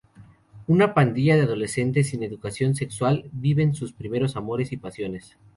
Una pandilla de adolescentes sin educación sexual viven sus primeros amores y pasiones.